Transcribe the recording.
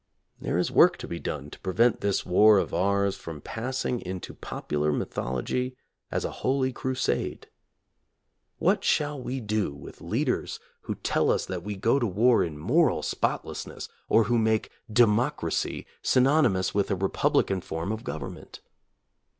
There is work to be done to prevent this war of ours from passing into popular mythology as a holy crusade. What shall we do with leaders who tell us that we go to war in moral spotlessness, or who make "democracy" synonymous with a republican form of government?